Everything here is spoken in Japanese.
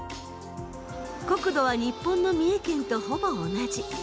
国土は日本の三重県とほぼ同じ。